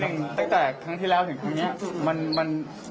ตั้งแต่ครั้งที่แล้วถึงครั้งนี้มัน